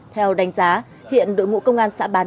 theo đánh giá hiện đội ngũ công an xã bán